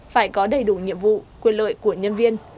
phải có đầy đủ nhiệm vụ quyền lợi của nhân viên